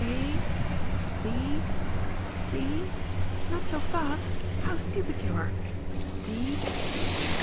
A, B, 0. Not so fast. How stupid you are